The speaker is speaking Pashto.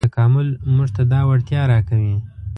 تکامل موږ ته دا وړتیا راکوي.